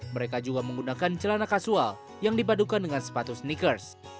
mereka juga menggunakan celana kasual yang dipadukan dengan sepatu sneakers